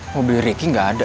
mobil riki gak ada